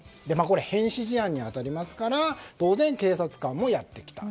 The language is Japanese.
これは変死事案に当たりますから当然、警察官がやってきた。